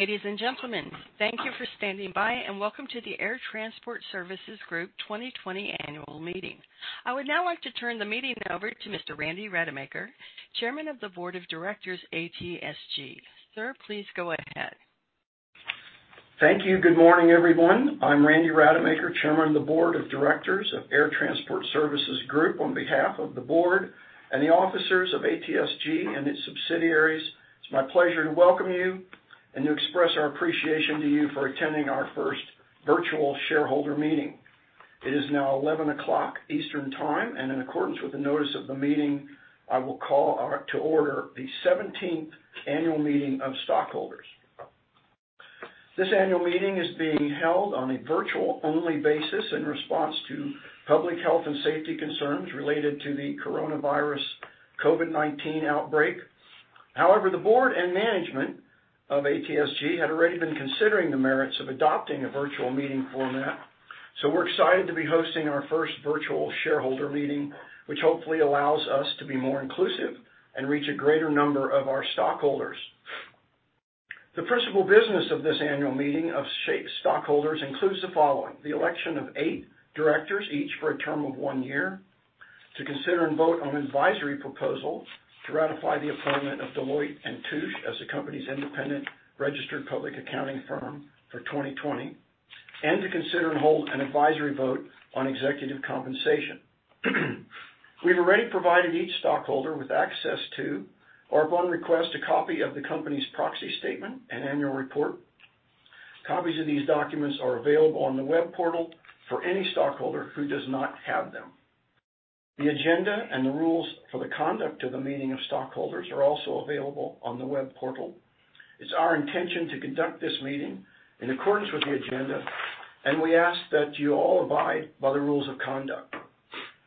Ladies and gentlemen, thank you for standing by. Welcome to the Air Transport Services Group 2020 annual meeting. I would now like to turn the meeting over to Mr. Randy Rademacher, Chairman of the Board of Directors, ATSG. Sir, please go ahead. Thank you. Good morning, everyone. I'm Randy Rademacher, Chairman of the Board of Directors of Air Transport Services Group. On behalf of the board and the officers of ATSG and its subsidiaries, it's my pleasure to welcome you and to express our appreciation to you for attending our first virtual shareholder meeting. It is now 11:00 A.M. Eastern Time, and in accordance with the notice of the meeting, I will call to order the 17th annual meeting of stockholders. This annual meeting is being held on a virtual-only basis in response to public health and safety concerns related to the coronavirus COVID-19 outbreak. However, the board and management of ATSG had already been considering the merits of adopting a virtual meeting format. We're excited to be hosting our first virtual shareholder meeting, which hopefully allows us to be more inclusive and reach a greater number of our stockholders. The principal business of this annual meeting of shareholders includes the following: the election of eight directors, each for a term of one year, to consider and vote on advisory proposals, to ratify the appointment of Deloitte & Touche as the company's independent registered public accounting firm for 2020, and to consider and hold an advisory vote on executive compensation. We've already provided each stockholder with access to or upon request, a copy of the company's proxy statement and annual report. Copies of these documents are available on the web portal for any stockholder who does not have them. The agenda and the rules for the conduct of the meeting of stockholders are also available on the web portal. It's our intention to conduct this meeting in accordance with the agenda. We ask that you all abide by the rules of conduct.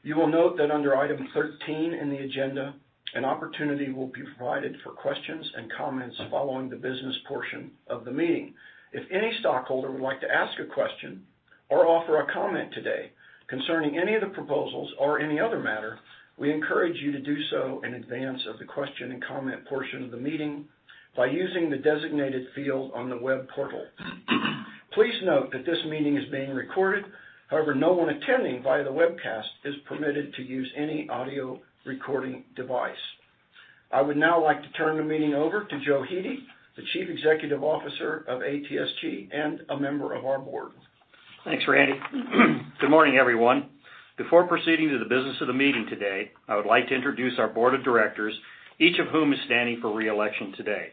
You will note that under item 13 in the agenda, an opportunity will be provided for questions and comments following the business portion of the meeting. If any stockholder would like to ask a question or offer a comment today concerning any of the proposals or any other matter, we encourage you to do so in advance of the question and comment portion of the meeting by using the designated field on the web portal. Please note that this meeting is being recorded. However, no one attending via the webcast is permitted to use any audio recording device. I would now like to turn the meeting over to Joe Hete, the Chief Executive Officer of ATSG and a member of our board. Thanks, Randy. Good morning, everyone. Before proceeding to the business of the meeting today, I would like to introduce our board of directors, each of whom is standing for re-election today.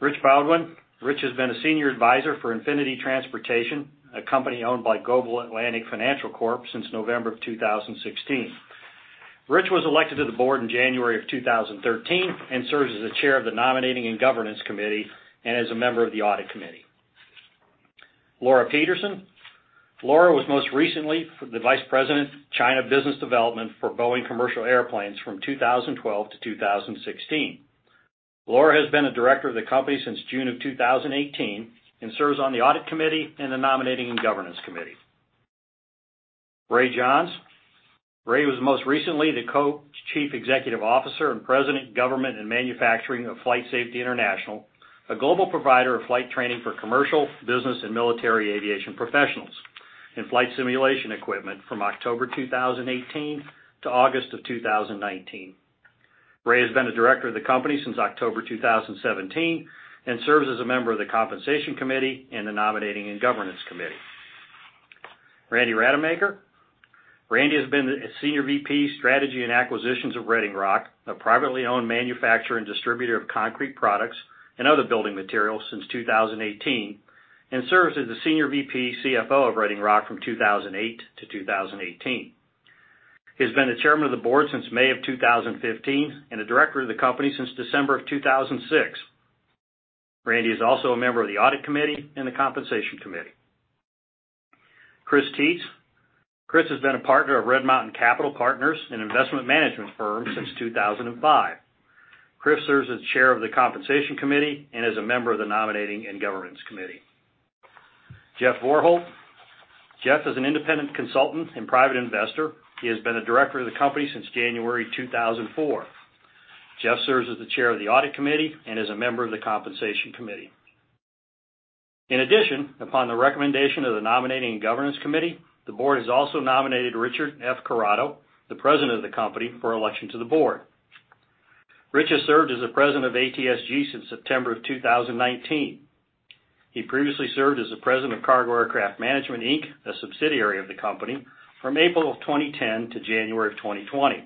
Rich Baudouin. Rich has been a senior advisor for Infinity Transportation, a company owned by Global Atlantic Financial Group, since November of 2016. Rich was elected to the board in January of 2013 and serves as the chair of the Nominating and Governance Committee and as a member of the Audit Committee. Laura Peterson. Laura was most recently the Vice President, China Business Development for Boeing Commercial Airplanes from 2012-2016. Laura has been a director of the company since June of 2018 and serves on the Audit Committee and the Nominating and Governance Committee. Ray Johns. Ray was most recently the Co-Chief Executive Officer and President, Government and Manufacturing of FlightSafety International, a global provider of flight training for commercial, business, and military aviation professionals and flight simulation equipment from October 2018 to August of 2019. Ray has been a director of the company since October 2017 and serves as a member of the Compensation Committee and the Nominating and Governance Committee. Randy Rademacher. Randy has been the Senior VP, Strategy and Acquisitions at Reading Rock, a privately owned manufacturer and distributor of concrete products and other building materials, since 2018, and served as the Senior VP CFO of Reading Rock from 2008-2018. He has been the Chairman of the Board since May of 2015 and a director of the company since December of 2006. Randy is also a member of the Audit Committee and the Compensation Committee. Chris Teets. Chris has been a partner of Red Mountain Capital Partners and investment management firm since 2005. Chris serves as Chair of the Compensation Committee and is a member of the Nominating and Governance Committee. Jeff Vorholt. Jeff is an independent consultant and private investor. He has been a director of the company since January 2004. Jeff serves as the Chair of the Audit Committee and is a member of the Compensation Committee. Upon the recommendation of the Nominating and Governance Committee, the board has also nominated Richard F. Corrado, the President of the company, for election to the board. Rich has served as the President of ATSG since September of 2019. He previously served as the President of Cargo Aircraft Management, Inc., a subsidiary of the company, from April of 2010 to January of 2020,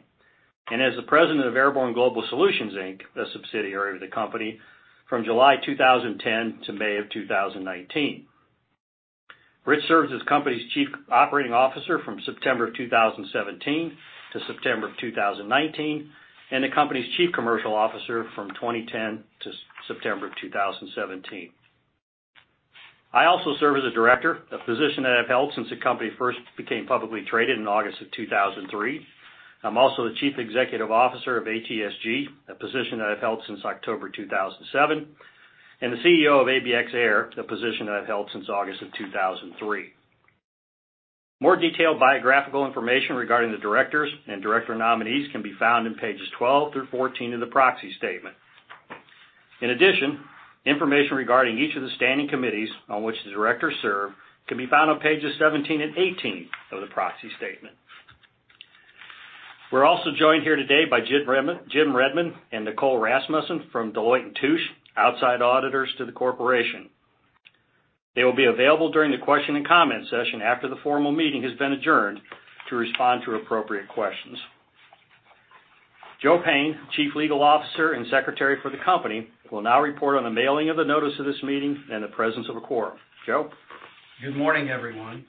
and as the President of Airborne Global Solutions, Inc., a subsidiary of the company, from July 2010 to May of 2019. Rich served as the company's Chief Operating Officer from September of 2017 to September of 2019, and the company's Chief Commercial Officer from 2010 to September of 2017. I also serve as a director, a position that I've held since the company first became publicly traded in August of 2003. I'm also the Chief Executive Officer of ATSG, a position that I've held since October 2007, and the CEO of ABX Air, a position that I've held since August of 2003. More detailed biographical information regarding the directors and director nominees can be found on pages 12 through 14 of the proxy statement. In addition, information regarding each of the standing committees on which the directors serve can be found on pages 17 and 18 of the proxy statement. We're also joined here today by Jim Redmond and Nicole Rasmussen from Deloitte & Touche, outside auditors to the corporation. They will be available during the question and comment session after the formal meeting has been adjourned to respond to appropriate questions. Joe Payne, chief legal officer and secretary for the company, will now report on the mailing of the notice of this meeting and the presence of a quorum. Joe? Good morning, everyone.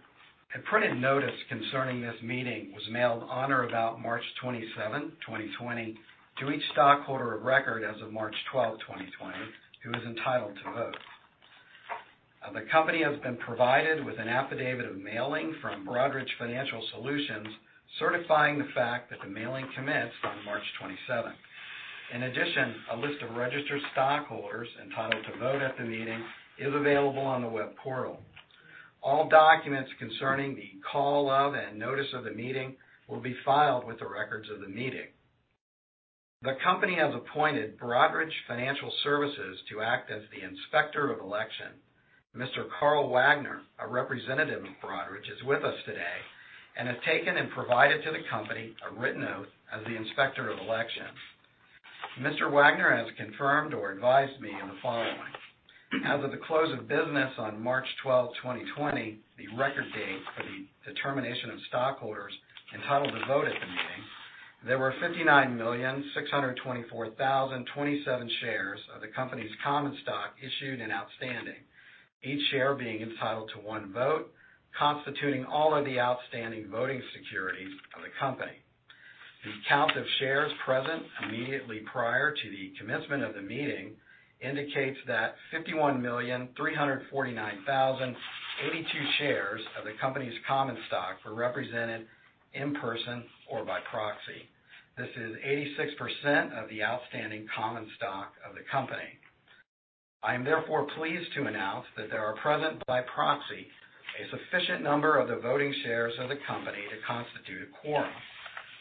A printed notice concerning this meeting was mailed on or about March 27, 2020, to each stockholder of record as of March 12, 2020, who is entitled to vote. The company has been provided with an affidavit of mailing from Broadridge Financial Solutions, certifying the fact that the mailing commenced on March 27th. In addition, a list of registered stockholders entitled to vote at the meeting is available on the web portal. All documents concerning the call of and notice of the meeting will be filed with the records of the meeting. The company has appointed Broadridge Financial Solutions to act as the inspector of election. Mr. Carl Wagner, a representative of Broadridge, is with us today and has taken and provided to the company a written oath as the inspector of election. Mr. Wagner has confirmed or advised me on the following. As of the close of business on March 12th, 2020, the record date for the determination of stockholders entitled to vote at the meeting, there were 59,624,027 shares of the company's common stock issued and outstanding, each share being entitled to one vote, constituting all of the outstanding voting securities of the company. The count of shares present immediately prior to the commencement of the meeting indicates that 51,349,082 shares of the company's common stock were represented in person or by proxy. This is 86% of the outstanding common stock of the company. I am therefore pleased to announce that there are present by proxy a sufficient number of the voting shares of the company to constitute a quorum.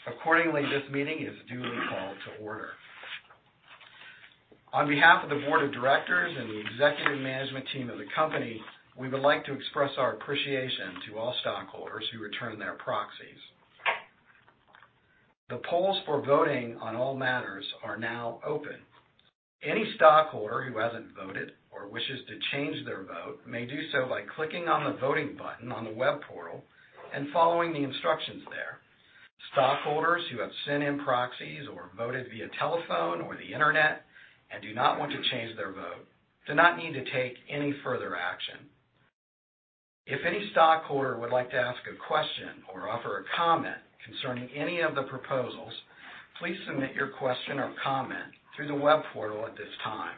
Accordingly, this meeting is duly called to order. On behalf of the board of directors and the executive management team of the company, we would like to express our appreciation to all stockholders who returned their proxies. The polls for voting on all matters are now open. Any stockholder who hasn't voted or wishes to change their vote may do so by clicking on the voting button on the web portal and following the instructions there. Stockholders who have sent in proxies or voted via telephone or the internet and do not want to change their vote do not need to take any further action. If any stockholder would like to ask a question or offer a comment concerning any of the proposals, please submit your question or comment through the web portal at this time.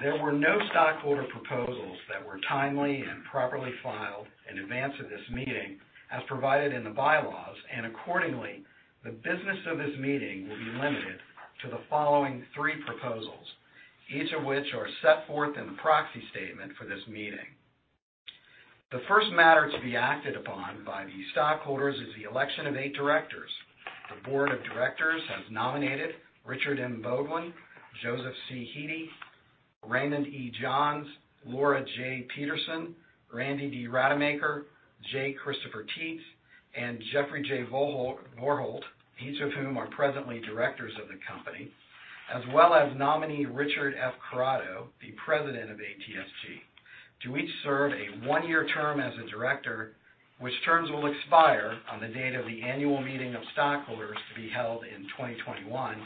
There were no stockholder proposals that were timely and properly filed in advance of this meeting, as provided in the bylaws, and accordingly, the business of this meeting will be limited to the following three proposals, each of which are set forth in the proxy statement for this meeting. The first matter to be acted upon by the stockholders is the election of eight directors. The board of directors has nominated Richard M. Baudouin, Joseph C. Hete, Raymond E. Johns, Laura J. Peterson, Randy D. Rademacher, J. Christopher Teets, and Jeffrey J. Vorholt, each of whom are presently directors of the company, as well as nominee Richard F. Corrado, the president of ATSG, to each serve a one-year term as a director, which terms will expire on the date of the annual meeting of stockholders to be held in 2021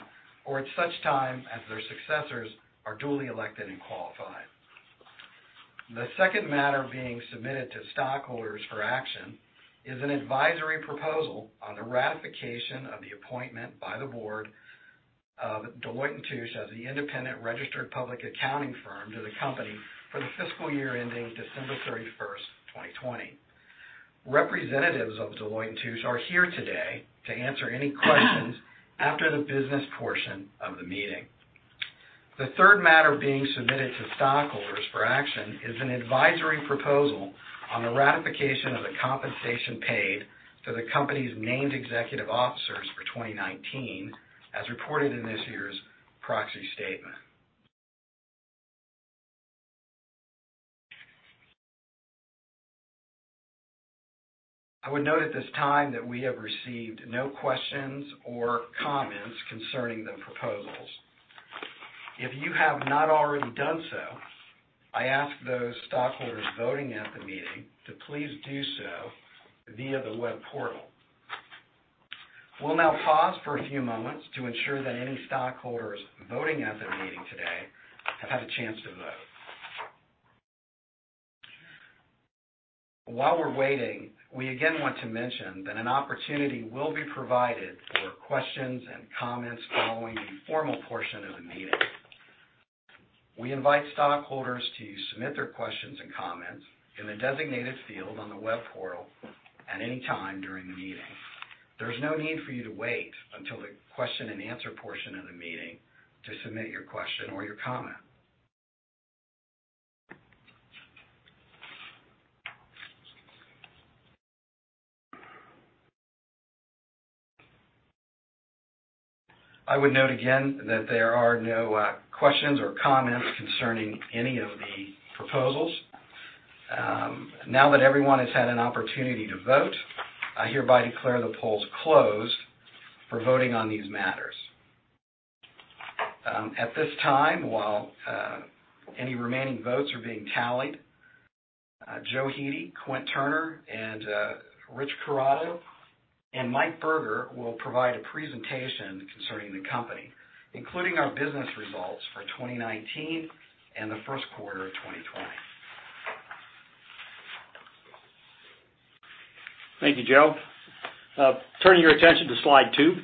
or at such time as their successors are duly elected and qualified. The second matter being submitted to stockholders for action is an advisory proposal on the ratification of the appointment by the board of Deloitte & Touche as the independent registered public accounting firm to the company for the fiscal year ending December 31st, 2020. Representatives of Deloitte & Touche are here today to answer any questions after the business portion of the meeting. The third matter being submitted to stockholders for action is an advisory proposal on the ratification of the compensation paid to the company's named executive officers for 2019, as reported in this year's proxy statement. I would note at this time that we have received no questions or comments concerning the proposals. If you have not already done so, I ask those stockholders voting at the meeting to please do so via the web portal. We'll now pause for a few moments to ensure that any stockholders voting at the meeting today have had a chance to vote. While we're waiting, we again want to mention that an opportunity will be provided for questions and comments following the formal portion of the meeting. We invite stockholders to submit their questions and comments in the designated field on the web portal at any time during the meeting. There's no need for you to wait until the question and answer portion of the meeting to submit your question or your comment. I would note again that there are no questions or comments concerning any of the proposals. Now that everyone has had an opportunity to vote, I hereby declare the polls closed for voting on these matters. At this time, while any remaining votes are being tallied, Joe Hete, Quint Turner, and Rich Corrado, and Mike Berger will provide a presentation concerning the company, including our business results for 2019 and the Q1 of 2020. Thank you, Joe. Turning your attention to slide two,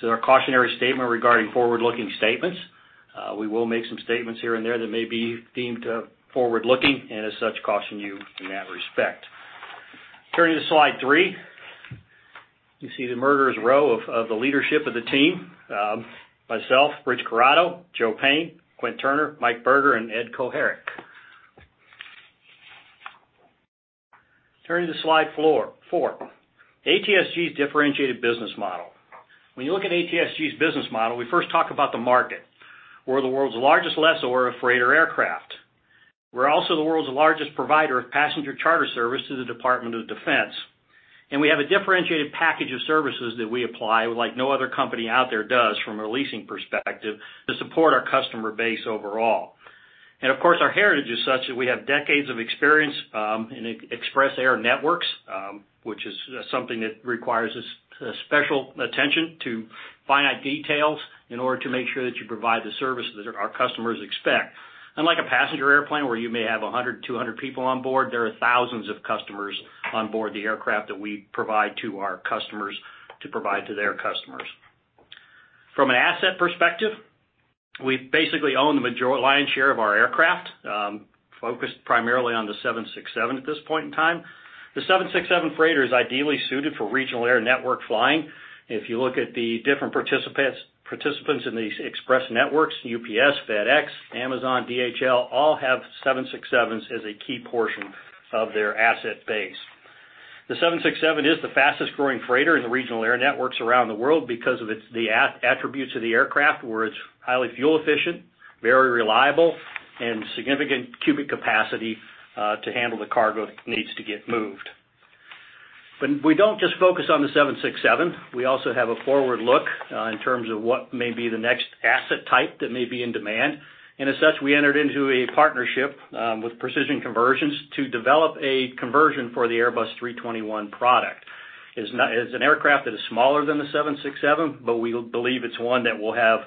to our cautionary statement regarding forward-looking statements. We will make some statements here and there that may be deemed forward-looking. As such, caution you in that respect. Turning to slide three, you see the murderer's row of the leadership of the team. Myself, Rich Corrado, Joe Payne, Quint Turner, Mike Berger, and Ed Koharik. Turning to slide four, ATSG's differentiated business model. When you look at ATSG's business model, we first talk about the market. We're the world's largest lessor of freighter aircraft. We're also the world's largest provider of passenger charter service to the Department of Defense. We have a differentiated package of services that we apply like no other company out there does from a leasing perspective to support our customer base overall. Of course, our heritage is such that we have decades of experience in express air networks, which is something that requires special attention to finite details in order to make sure that you provide the service that our customers expect. Unlike a passenger airplane, where you may have 100, 200 people on board, there are thousands of customers on board the aircraft that we provide to our customers to provide to their customers. From an asset perspective, we basically own the lion's share of our aircraft, focused primarily on the 767 at this point in time. The 767 freighter is ideally suited for regional air network flying. If you look at the different participants in these express networks, UPS, FedEx, Amazon, DHL, all have 767s as a key portion of their asset base. The 767 is the fastest-growing freighter in the regional air networks around the world because of the attributes of the aircraft, where it's highly fuel efficient, very reliable, and significant cubic capacity to handle the cargo that needs to get moved. We don't just focus on the 767. We also have a forward look in terms of what may be the next asset type that may be in demand. As such, we entered into a partnership with Precision Conversions to develop a conversion for the Airbus A321 product. It's an aircraft that is smaller than the 767, but we believe it's one that will have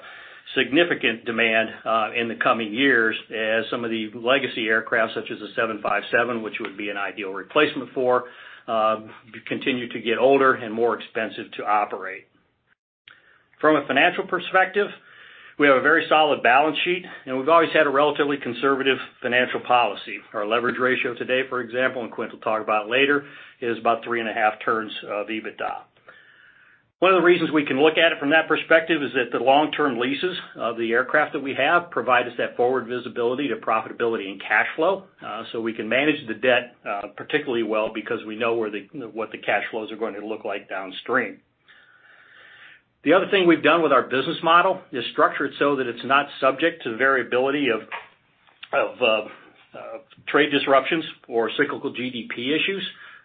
significant demand in the coming years as some of the legacy aircraft, such as the 757, which it would be an ideal replacement for, continue to get older and more expensive to operate. From a financial perspective, we have a very solid balance sheet, and we've always had a relatively conservative financial policy. Our leverage ratio today, for example, and Quint will talk about it later, is about three and a half turns of EBITDA. One of the reasons we can look at it from that perspective is that the long-term leases of the aircraft that we have provide us that forward visibility to profitability and cash flow. We can manage the debt particularly well because we know what the cash flows are going to look like downstream. The other thing we've done with our business model is structure it so that it's not subject to the variability of trade disruptions or cyclical GDP issues.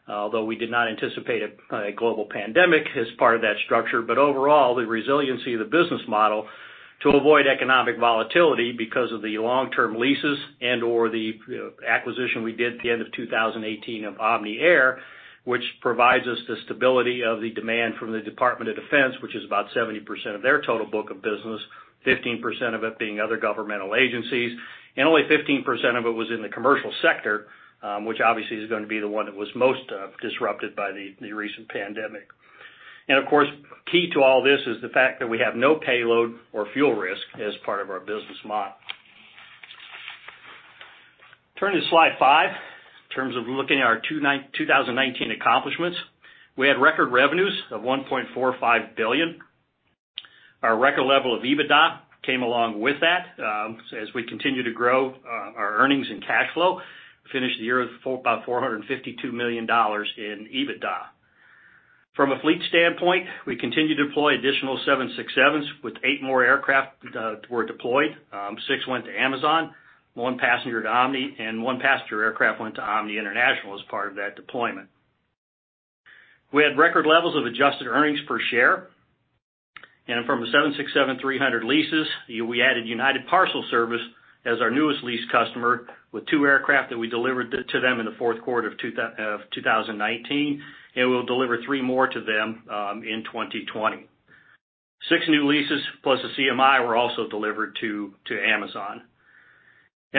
Although we did not anticipate a global pandemic as part of that structure. Overall, the resiliency of the business model to avoid economic volatility because of the long-term leases and/or the acquisition we did at the end of 2018 of Omni Air, which provides us the stability of the demand from the Department of Defense, which is about 70% of their total book of business, 15% of it being other governmental agencies, and only 15% of it was in the commercial sector, which obviously is going to be the one that was most disrupted by the recent pandemic. Of course, key to all this is the fact that we have no payload or fuel risk as part of our business model. Turning to slide five, in terms of looking at our 2019 accomplishments, we had record revenues of $1.45 billion. Our record level of EBITDA came along with that. As we continue to grow our earnings and cash flow, finished the year with about $452 million in EBITDA. From a fleet standpoint, we continue to deploy additional 767s, with eight more aircraft were deployed. Six went to Amazon, one passenger to Omni, and one passenger aircraft went to Omni International as part of that deployment. We had record levels of adjusted earnings per share. From the 767-300 leases, we added United Parcel Service as our newest lease customer with two aircraft that we delivered to them in the Q4 of 2019, and we'll deliver three more to them in 2020. Six new leases plus a CMI were also delivered to Amazon.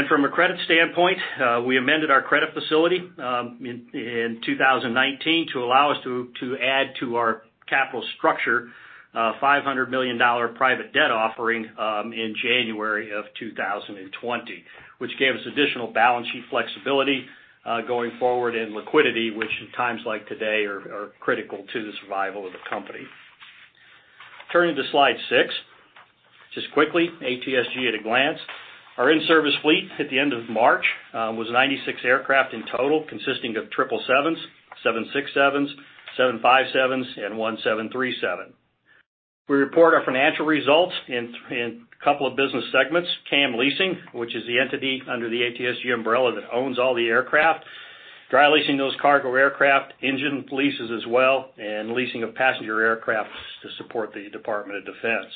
From a credit standpoint, we amended our credit facility in 2019 to allow us to add to our capital structure a $500 million private debt offering in January of 2020, which gave us additional balance sheet flexibility going forward in liquidity, which in times like today are critical to the survival of the company. Turning to slide six, just quickly, ATSG at a glance. Our in-service fleet at the end of March was 96 aircraft in total, consisting of 777s, 767s, 757s, and one 737. We report our financial results in a couple of business segments. CAM Leasing, which is the entity under the ATSG umbrella that owns all the aircraft, dry leasing those cargo aircraft, engine leases as well, and leasing of passenger aircraft to support the Department of Defense.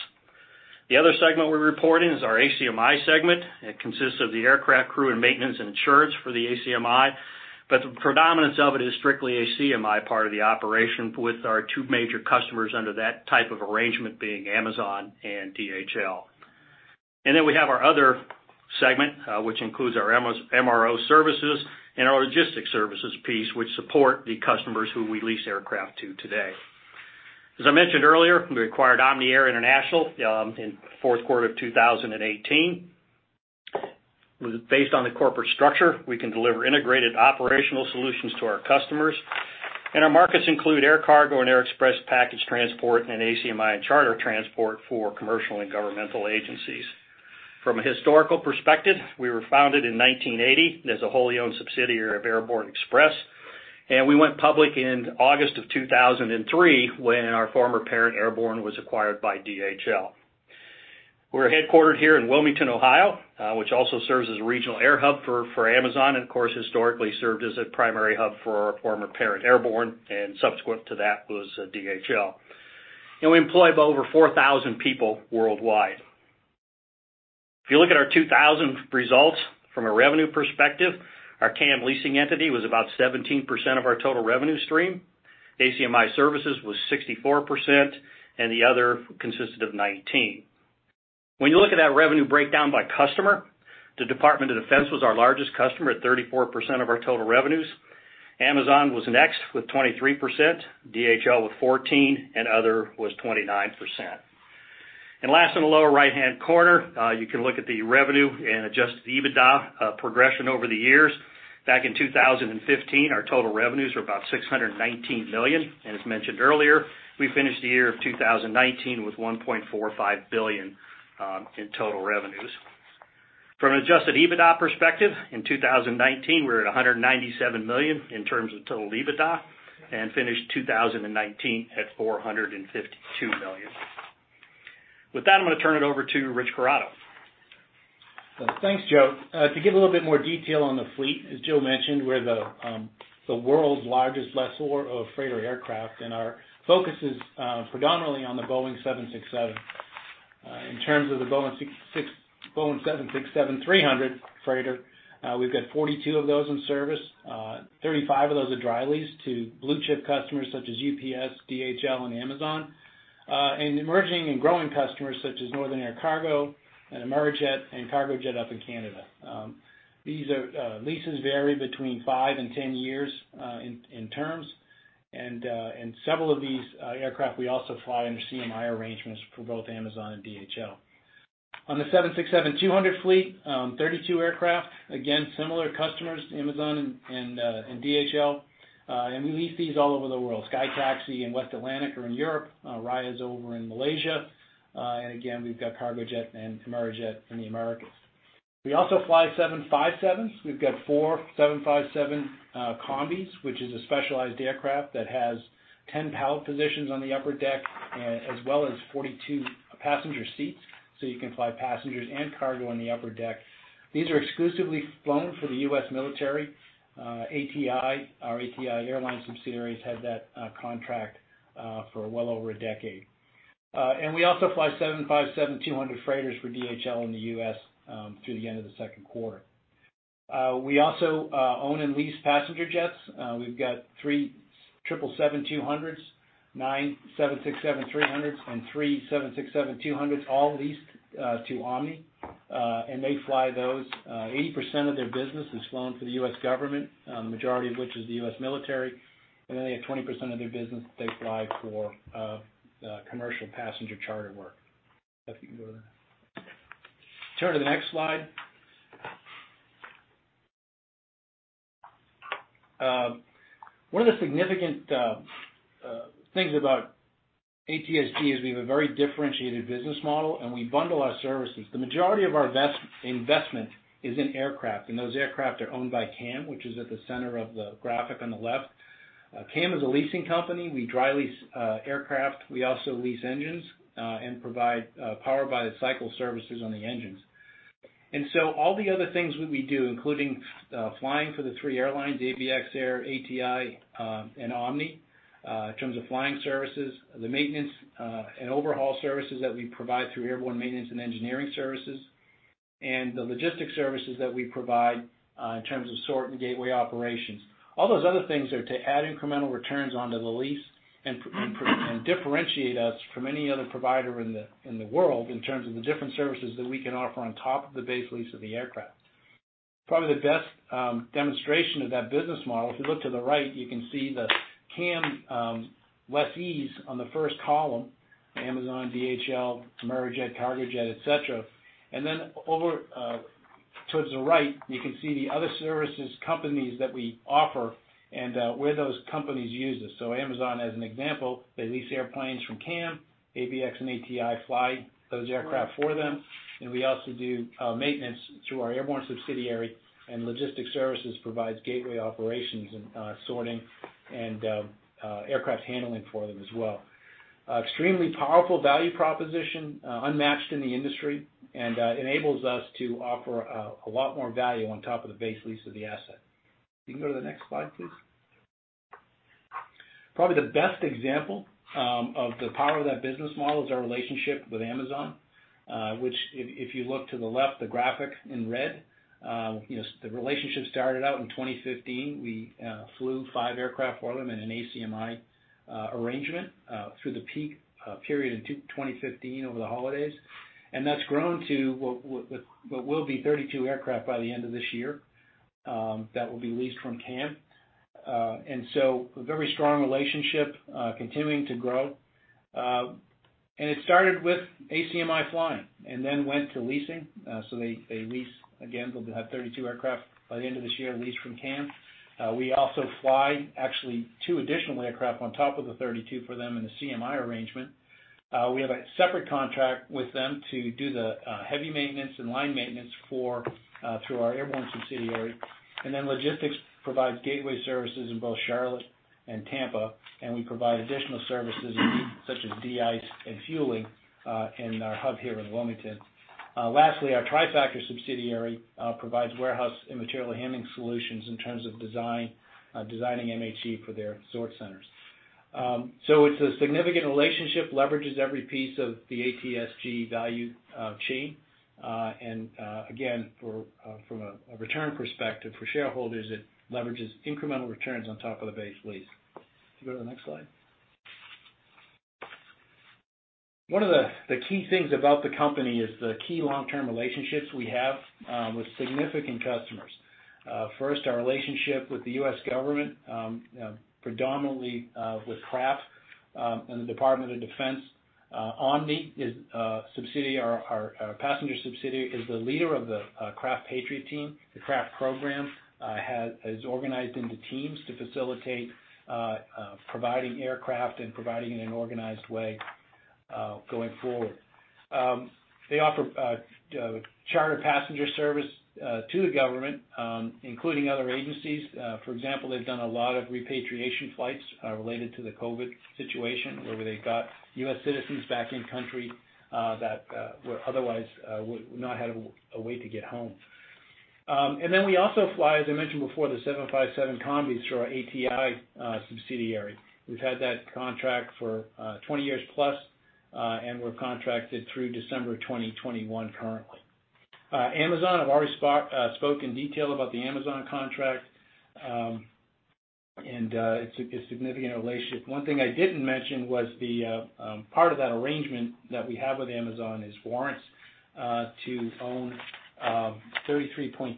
The other segment we're reporting is our ACMI segment. It consists of the aircraft crew and maintenance and insurance for the ACMI, but the predominance of it is strictly ACMI part of the operation with our two major customers under that type of arrangement being Amazon and DHL. We have our other segment, which includes our MRO services and our logistics services piece, which support the customers who we lease aircraft to today. As I mentioned earlier, we acquired Omni Air International in the Q4 of 2018. Based on the corporate structure, we can deliver integrated operational solutions to our customers. Our markets include air cargo and air express package transport and ACMI and charter transport for commercial and governmental agencies. From a historical perspective, we were founded in 1980 as a wholly owned subsidiary of Airborne Express, and we went public in August of 2003 when our former parent, Airborne, was acquired by DHL. We're headquartered here in Wilmington, Ohio, which also serves as a regional air hub for Amazon and, of course, historically served as a primary hub for our former parent, Airborne, and subsequent to that was DHL. We employ over 4,000 people worldwide. If you look at our 2000 results from a revenue perspective, our CAM Leasing entity was about 17% of our total revenue stream. ACMI services was 64%. The other consisted of 19%. When you look at that revenue breakdown by customer, the Department of Defense was our largest customer at 34% of our total revenues. Amazon was next with 23%, DHL with 14%. Other was 29%. Last in the lower right-hand corner, you can look at the revenue and adjusted EBITDA progression over the years. Back in 2015, our total revenues were about $619 million, and as mentioned earlier, we finished the year of 2019 with $1.45 billion in total revenues. From an adjusted EBITDA perspective, in 2019 we were at $197 million in terms of total EBITDA and finished 2019 at $452 million. With that, I'm going to turn it over to Rich Corrado. Thanks, Joe. To give a little bit more detail on the fleet, as Joe mentioned, we're the world's largest lessor of freighter aircraft, and our focus is predominantly on the Boeing 767. In terms of the Boeing 767-300 freighter, we've got 42 of those in service. 35 of those are dry leased to blue-chip customers such as UPS, DHL, and Amazon, and emerging and growing customers such as Northern Air Cargo and Amerijet and Cargojet up in Canada. These leases vary between five and 10 years in terms, and several of these aircraft we also fly under CMI arrangements for both Amazon and DHL. On the 767-200 fleet, 32 aircraft. Again, similar customers, Amazon and DHL. We lease these all over the world. SkyTaxi and West Atlantic are in Europe. Raya's over in Malaysia. Again, we've got Cargojet and Amerijet in the Americas. We also fly 757s. We've got four 757 Combis, which is a specialized aircraft that has 10 pallet positions on the upper deck, as well as 42 passenger seats, so you can fly passengers and cargo on the upper deck. These are exclusively flown for the U.S. military. ATI, our ATI Airlines subsidiary has had that contract for well over a decade. We also fly 757-200 freighters for DHL in the U.S. through the end of the Q2. We also own and lease passenger jets. We've got three 777-200s, nine 767-300s, and three 767-200s, all leased to Omni, they fly those. 80% of their business is flown for the U.S. government, the majority of which is the U.S. military, they have 20% of their business that they fly for commercial passenger charter work. If you can go to the next. Turn to the next slide. One of the significant things about ATSG is we have a very differentiated business model, and we bundle our services. The majority of our investment is in aircraft, and those aircraft are owned by CAM, which is at the center of the graphic on the left. CAM is a leasing company. We dry lease aircraft. We also lease engines and provide power-by-the-cycle services on the engines. All the other things that we do, including flying for the three airlines, ABX Air, ATI, and Omni, in terms of flying services, the maintenance and overhaul services that we provide through Airborne Maintenance & Engineering Services, and the logistics services that we provide in terms of sort and gateway operations. All those other things are to add incremental returns onto the lease and differentiate us from any other provider in the world in terms of the different services that we can offer on top of the base lease of the aircraft. Probably the best demonstration of that business model, if you look to the right, you can see the CAM lessees on the first column, Amazon, DHL, Amerijet, Cargojet, et cetera. Then over towards the right, you can see the other services companies that we offer and where those companies use us. Amazon, as an example, they lease airplanes from CAM, ABX and ATI fly those aircraft for them, and we also do maintenance through our Airborne subsidiary, and logistic services provides gateway operations and sorting and aircraft handling for them as well. Extremely powerful value proposition, unmatched in the industry, and enables us to offer a lot more value on top of the base lease of the asset. You can go to the next slide, please. Probably the best example of the power of that business model is our relationship with Amazon, which, if you look to the left, the graphic in red. The relationship started out in 2015. We flew five aircraft for them in an ACMI arrangement through the peak period in 2015 over the holidays. That's grown to what will be 32 aircraft by the end of this year, that will be leased from CAM. A very strong relationship, continuing to grow. It started with ACMI flying, and then went to leasing. They lease, again, they'll have 32 aircraft by the end of this year, leased from CAM. We also fly actually two additional aircraft on top of the 32 for them in a CMI arrangement. We have a separate contract with them to do the heavy maintenance and line maintenance through our Airborne subsidiary. Logistics provides gateway services in both Charlotte and Tampa, and we provide additional services such as de-ice and fueling in our hub here in Wilmington. Lastly, our TriFactor subsidiary provides warehouse and material handling solutions in terms of designing MHE for their sort centers. It's a significant relationship, leverages every piece of the ATSG value chain. Again, from a return perspective for shareholders, it leverages incremental returns on top of the base lease. You can go to the next slide. One of the key things about the company is the key long-term relationships we have with significant customers. First, our relationship with the U.S. government, predominantly with CRAF and the Department of Defense. Omni, our passenger subsidiary, is the leader of the CRAF Patriot team. The CRAF program is organized into teams to facilitate providing aircraft and providing it in an organized way going forward. They offer charter passenger service to the government, including other agencies. For example, they've done a lot of repatriation flights related to the COVID situation, where they've got U.S. citizens back in country that otherwise would not have a way to get home. We also fly, as I mentioned before, the 757 Combis through our ATI subsidiary. We've had that contract for 20 years plus, and we're contracted through December 2021 currently. Amazon, I've already spoken in detail about the Amazon contract. It's a significant relationship. One thing I didn't mention was the part of that arrangement that we have with Amazon is warrants to own 33.2%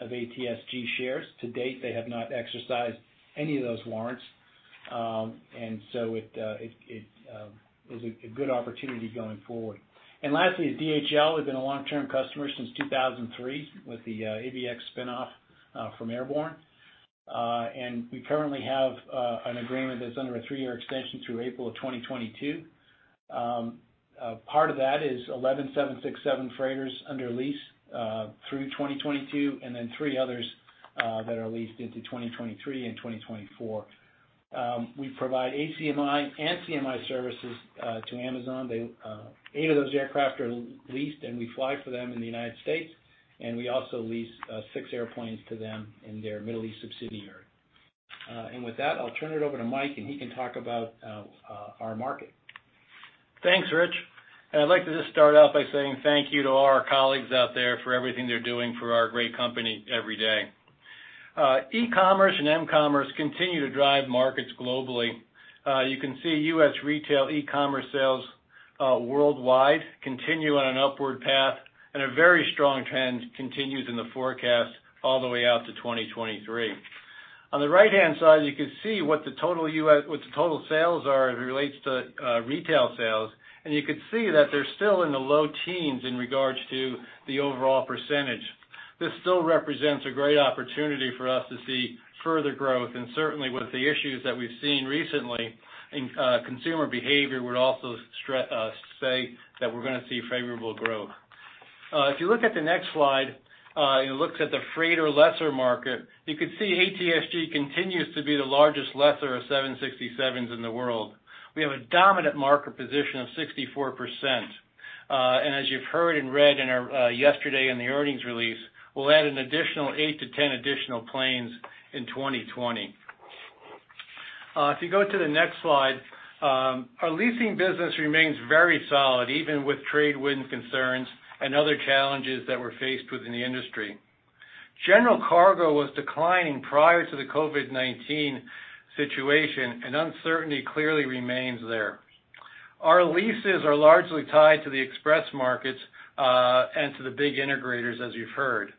of ATSG shares. To date, they have not exercised any of those warrants. It is a good opportunity going forward. Lastly is DHL, who've been a long-term customer since 2003 with the ABX spinoff from Airborne. We currently have an agreement that's under a three-year extension through April of 2022. Part of that is 11 767 freighters under lease through 2022, then three others that are leased into 2023 and 2024. We provide ACMI and CMI services to Amazon. Eight of those aircraft are leased, we fly for them in the United States, we also lease six airplanes to them in their Middle East subsidiary. With that, I'll turn it over to Mike, he can talk about our market. Thanks, Rich. I'd like to just start off by saying thank you to all our colleagues out there for everything they're doing for our great company every day. E-commerce and M-commerce continue to drive markets globally. You can see U.S. retail e-commerce sales worldwide continue on an upward path. A very strong trend continues in the forecast all the way out to 2023. On the right-hand side, you can see what the total sales are as it relates to retail sales. You can see that they're still in the low teen in regards to the overall percentage. This still represents a great opportunity for us to see further growth. Certainly, with the issues that we've seen recently in consumer behavior would also say that we're going to see favorable growth. If you look at the next slide, it looks at the freighter lessor market. You could see ATSG continues to be the largest lessor of 767s in the world. We have a dominant market position of 64%. As you've heard and read yesterday in the earnings release, we'll add an additional 8-10 additional planes in 2020. If you go to the next slide. Our leasing business remains very solid, even with trade concerns and other challenges that we're faced with in the industry. General cargo was declining prior to the COVID-19 situation, and uncertainty clearly remains there. Our leases are largely tied to the express markets, and to the big integrators, as you've heard.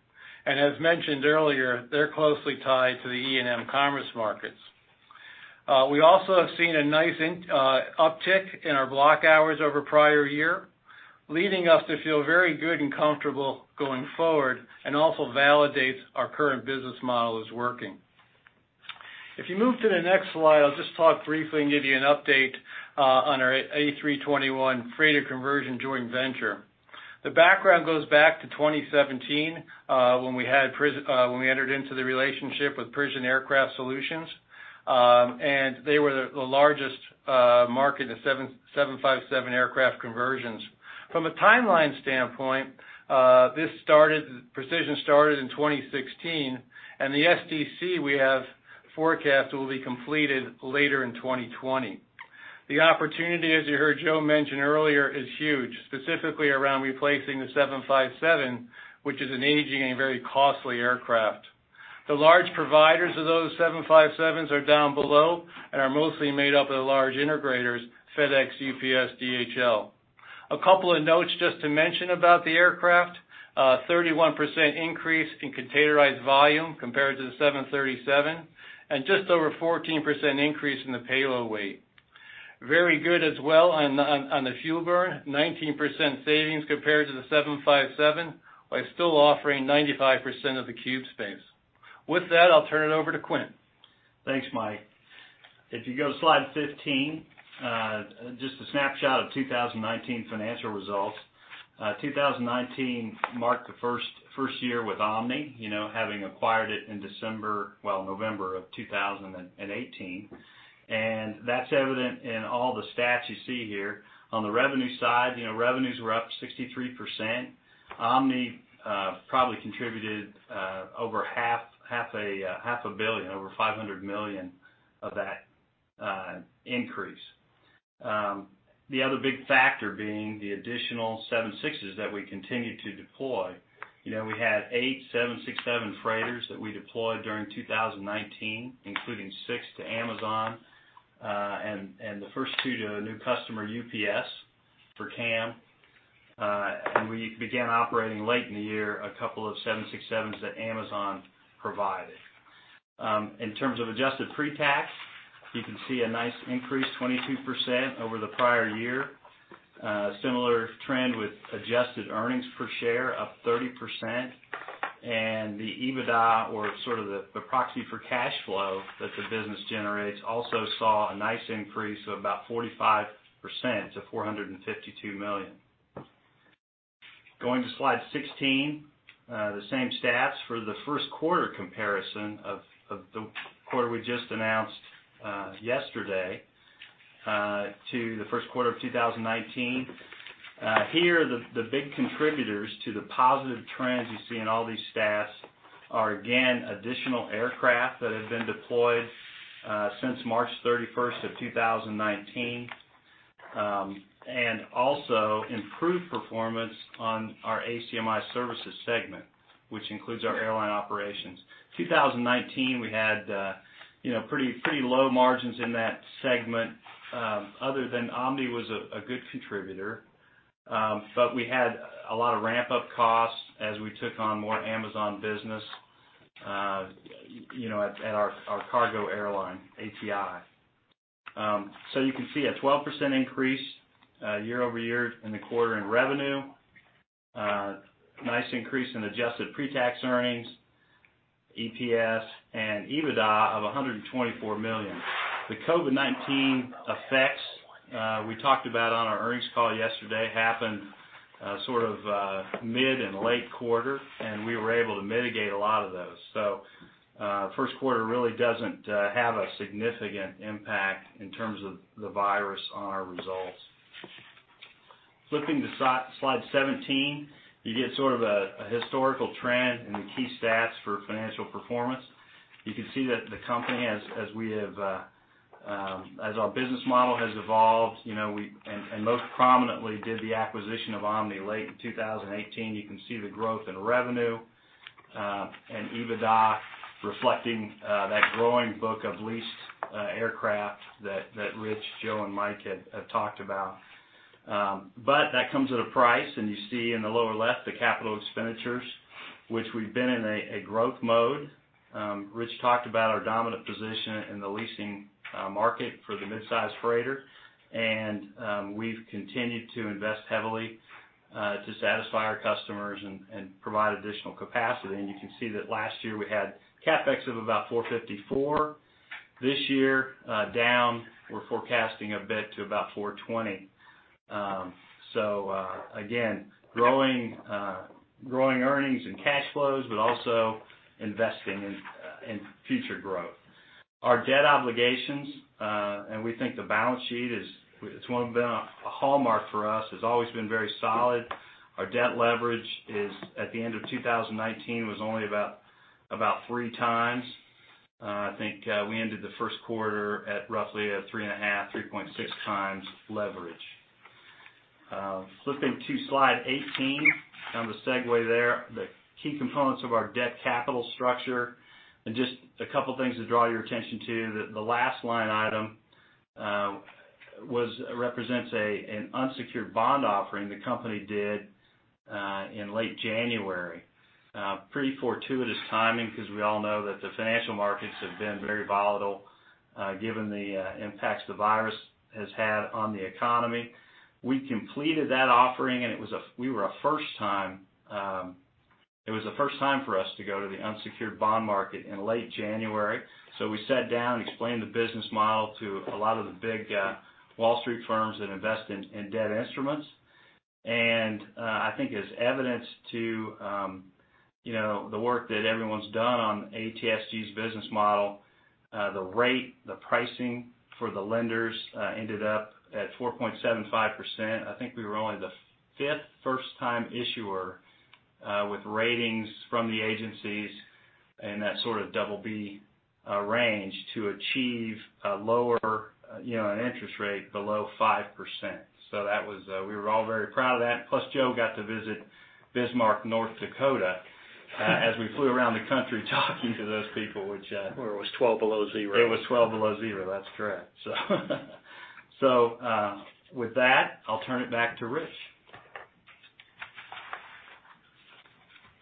As mentioned earlier, they're closely tied to the E-commerce and M-commerce markets. We also have seen a nice uptick in our block hours over prior year, leading us to feel very good and comfortable going forward, and also validates our current business model is working. If you move to the next slide, I'll just talk briefly and give you an update on our A321 freighter conversion joint venture. The background goes back to 2017, when we entered into the relationship with Precision Aircraft Solutions. They were the largest market in 757 aircraft conversions. From a timeline standpoint, Precision started in 2016, and the STC we have forecasted will be completed later in 2020. The opportunity, as you heard Joe mention earlier, is huge, specifically around replacing the 757, which is an aging and very costly aircraft. The large providers of those 757s are down below and are mostly made up of the large integrators, FedEx, UPS, DHL. A couple of notes just to mention about the aircraft. 31% increase in containerized volume compared to the 737, just over 14% increase in the payload weight. Very good as well on the fuel burn, 19% savings compared to the 757, while still offering 95% of the cube space. With that, I'll turn it over to Quint. Thanks, Mike. If you go to slide 15, just a snapshot of 2019 financial results. 2019 marked the first year with Omni, having acquired it in December, well, November of 2018. That's evident in all the stats you see here. On the revenue side, revenues were up 63%. Omni probably contributed over half a billion, over $500 million of that increase. The other big factor being the additional 767s that we continued to deploy. We had eight 767 freighters that we deployed during 2019, including six to Amazon, and the first two to a new customer, UPS, for CAM. We began operating late in the year, a couple of 767s that Amazon provided. In terms of adjusted pre-tax, you can see a nice increase, 22% over the prior year. Similar trend with adjusted earnings per share up 30%. The EBITDA, or sort of the proxy for cash flow that the business generates, also saw a nice increase of about 45% to $452 million. Going to slide 16. The same stats for the Q1 comparison of the quarter we just announced yesterday to the Q1 of 2019. Here, the big contributors to the positive trends you see in all these stats are, again, additional aircraft that have been deployed since March 31st of 2019, and also improved performance on our ACMI services segment, which includes our airline operations. 2019, we had pretty low margins in that segment. Other than Omni was a good contributor. We had a lot of ramp-up costs as we took on more Amazon business at our cargo airline, ATI. You can see a 12% increase year-over-year in the quarter in revenue. A nice increase in adjusted pre-tax earnings, EPS, and EBITDA of $124 million. The COVID-19 effects we talked about on our earnings call yesterday happened sort of mid and late quarter, and we were able to mitigate a lot of those. Q1 really doesn't have a significant impact in terms of the virus on our results. Flipping to slide 17, you get sort of a historical trend in the key stats for financial performance. You can see that the company has, as our business model has evolved, and most prominently did the acquisition of Omni late in 2018. You can see the growth in revenue and EBITDA reflecting that growing book of leased aircraft that Rich, Joe, and Mike had talked about. That comes at a price, and you see in the lower left, the capital expenditures, which we've been in a growth mode. Rich talked about our dominant position in the leasing market for the mid-size freighter, and we've continued to invest heavily to satisfy our customers and provide additional capacity. You can see that last year we had CapEx of about $454. This year, down, we're forecasting a bit to about $420. Again, growing earnings and cash flows, but also investing in future growth. Our debt obligations, and we think the balance sheet, it's been a hallmark for us, has always been very solid. Our debt leverage at the end of 2019, was only about three times. I think we ended the Q1 at roughly three and a half, 3.6 times leverage. Flipping to slide 18, kind of a segue there. The key components of our debt capital structure, and just a couple of things to draw your attention to. The last line item represents an unsecured bond offering the company did in late January. Pretty fortuitous timing because we all know that the financial markets have been very volatile, given the impacts the virus has had on the economy. We completed that offering, it was the first time for us to go to the unsecured bond market in late January. We sat down and explained the business model to a lot of the big Wall Street firms that invest in debt instruments. I think as evidence to the work that everyone's done on ATSG's business model, the rate, the pricing for the lenders ended up at 4.75%. I think we were only the fifth first-time issuer, with ratings from the agencies in that sort of double B range to achieve a lower interest rate below 5%. We were all very proud of that. Plus, Joe got to visit Bismarck, North Dakota as we flew around the country talking to those people. Where it was 12 below zero. It was 12 below zero. That's correct. With that, I'll turn it back to Rich.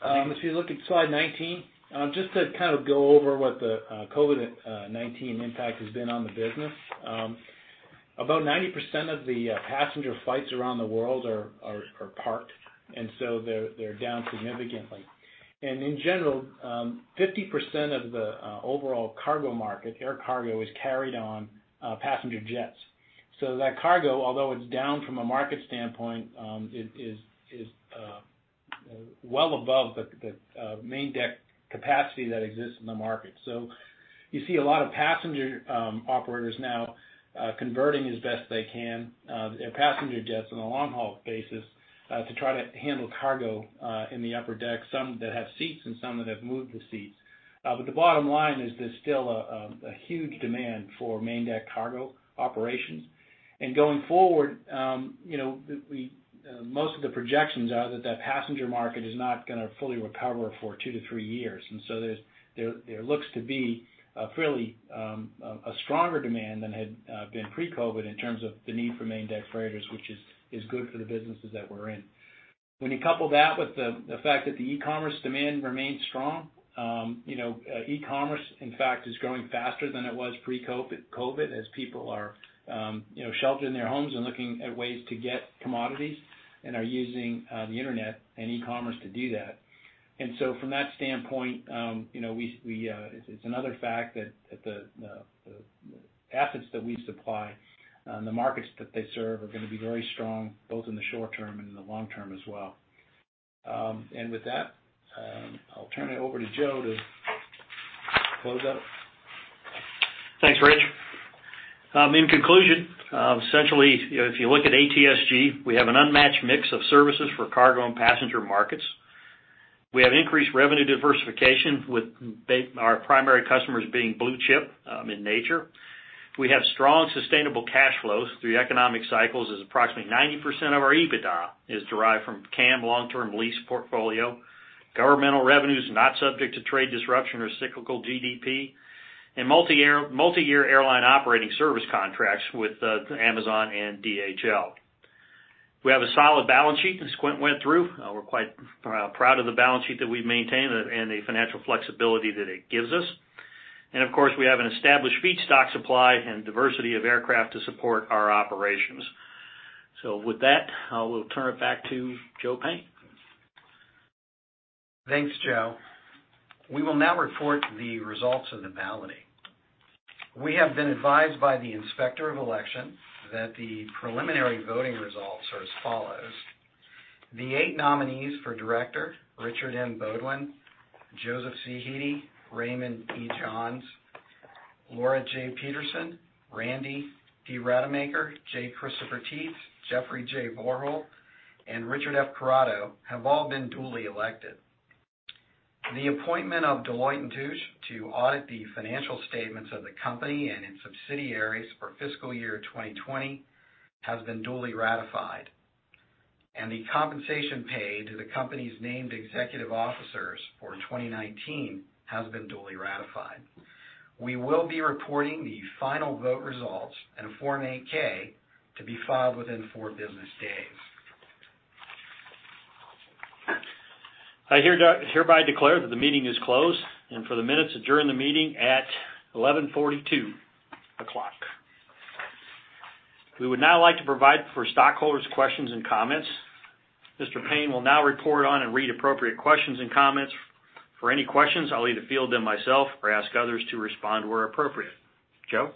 If you look at slide 19, just to kind of go over what the COVID-19 impact has been on the business. About 90% of the passenger flights around the world are parked, and so they're down significantly. In general, 50% of the overall cargo market, air cargo, is carried on passenger jets. That cargo, although it's down from a market standpoint, is well above the main deck capacity that exists in the market. You see a lot of passenger operators now converting as best they can, their passenger jets on a long-haul basis, to try to handle cargo in the upper deck. Some that have seats and some that have moved the seats. The bottom line is there's still a huge demand for main deck cargo operations. Going forward, most of the projections are that that passenger market is not going to fully recover for two to three years. There looks to be a fairly stronger demand than had been pre-COVID in terms of the need for main deck freighters, which is good for the businesses that we're in. When you couple that with the fact that the e-commerce demand remains strong, e-commerce, in fact, is growing faster than it was pre-COVID, as people are sheltered in their homes and looking at ways to get commodities and are using the internet and e-commerce to do that. From that standpoint, it's another fact that the assets that we supply and the markets that they serve are going to be very strong, both in the short term and in the long term as well. With that, I'll turn it over to Joe to close out. Thanks, Rich. In conclusion, essentially, if you look at ATSG, we have an unmatched mix of services for cargo and passenger markets. We have increased revenue diversification with our primary customers being blue-chip in nature. We have strong, sustainable cash flows through economic cycles, as approximately 90% of our EBITDA is derived from CAM long-term lease portfolio, governmental revenues not subject to trade disruption or cyclical GDP, and multi-year airline operating service contracts with Amazon and DHL. We have a solid balance sheet, as Quint went through. We're quite proud of the balance sheet that we've maintained and the financial flexibility that it gives us. Of course, we have an established feedstock supply and diversity of aircraft to support our operations. With that, I will turn it back to Joe Payne. Thanks, Joe. We will now report the results of the balloting. We have been advised by the Inspector of Election that the preliminary voting results are as follows. The eight nominees for director, Richard M. Baudouin, Joseph C. Hete, Raymond E. Johns, Laura J. Peterson, Randy D. Rademacher, J. Christopher Teets, Jeffrey J. Vorholt, and Richard F. Corrado, have all been duly elected. The appointment of Deloitte & Touche to audit the financial statements of the company and its subsidiaries for fiscal year 2020 has been duly ratified, and the compensation paid to the company's named executive officers for 2019 has been duly ratified. We will be reporting the final vote results in a Form 8-K to be filed within four business days. I hereby declare that the meeting is closed and for the minutes adjourned the meeting at 11:42 A.M. We would now like to provide for stockholders questions and comments. Mr. Payne will now report on and read appropriate questions and comments. For any questions, I'll either field them myself or ask others to respond where appropriate. Joe?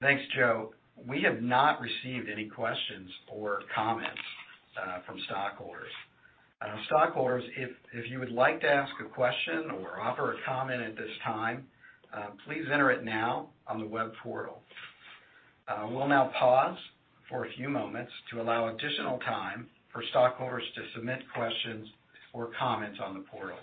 Thanks, Joe. We have not received any questions or comments from stockholders. Stockholders, if you would like to ask a question or offer a comment at this time, please enter it now on the web portal. We'll now pause for a few moments to allow additional time for stockholders to submit questions or comments on the portal.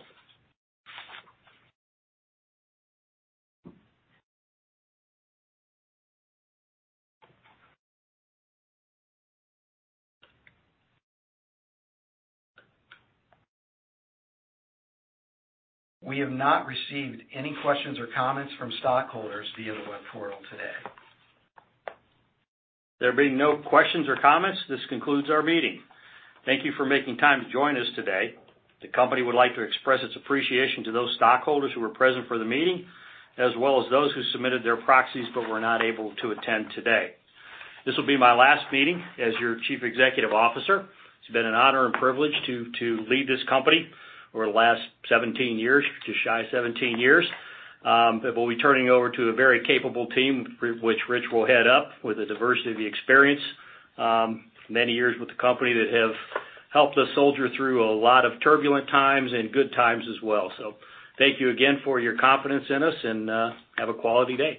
We have not received any questions or comments from stockholders via the web portal today. There being no questions or comments, this concludes our meeting. Thank you for making time to join us today. The company would like to express its appreciation to those stockholders who were present for the meeting, as well as those who submitted their proxies but were not able to attend today. This will be my last meeting as your Chief Executive Officer. It's been an honor and privilege to lead this company over the last 17 years, just shy of 17 years. We'll be turning over to a very capable team, which Rich will head up, with a diversity of experience. Many years with the company that have helped us soldier through a lot of turbulent times and good times as well. Thank you again for your confidence in us, and have a quality day.